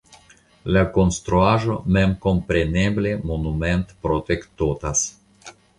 La konstruaĵo memkompreneble monumentprotektotas.